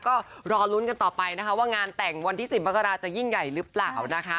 ก็รอลุ้นกันต่อไปนะคะว่างานแต่งวันที่๑๐มกราจะยิ่งใหญ่หรือเปล่านะคะ